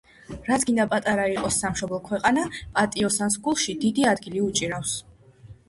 „რაც გინდა პატარა იყოს სამშობლო ქვეყანა, – პატიოსანს გულში დიდი ადგილი უჭირავს.“